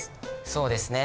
そうですね。